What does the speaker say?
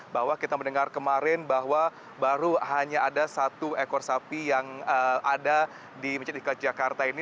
bahwa kita mendengar kemarin bahwa baru hanya ada satu ekor sapi yang ada di masjid islad jakarta ini